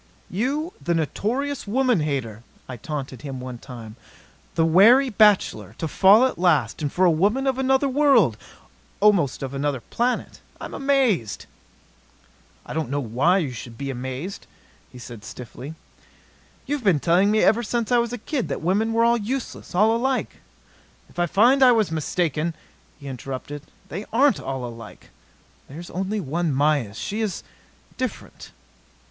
"You, the notorious woman hater," I taunted him one time, "the wary bachelor to fall at last. And for a woman of another world almost of another planet! I'm amazed!" "I don't know why you should be amazed," said he stiffly. "You've been telling me ever since I was a kid that women were all useless, all alike " "I find I was mistaken," he interrupted. "They aren't all alike. There's only one Mayis. She is different."